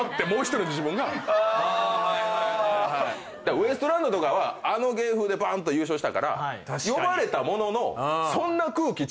ウエストランドとかはあの芸風でばーんと優勝したから呼ばれたもののそんな空気ちゃうやん！